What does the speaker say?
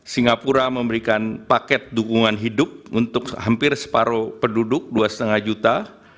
singapura memberikan paket dukungan hidup untuk hampir separuh penduduk dua lima juta